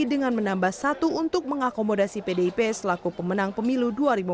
dengan menambah satu untuk mengakomodasi pdip selaku pemenang pemilu dua ribu dua puluh